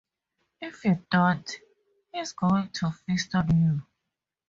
If you don't, he's going to feast on you.